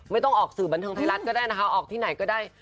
ไม่ต้องออกสื่อบันเทิงไทยรัฐก็ได้นะคะออกที่ไหนก็ได้